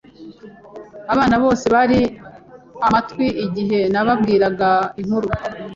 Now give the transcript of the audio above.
Abana bose bari amatwi igihe nababwiraga inkuru.